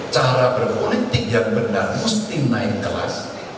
cara berpolitik yang benar mesti naik kelas